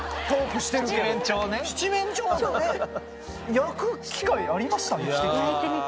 焼く機会ありました？